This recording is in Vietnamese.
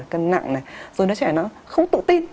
cân nặng này rồi đứa trẻ nó không tự tin